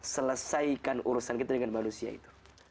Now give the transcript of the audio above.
selesaikan urusan kita dengan manusia itu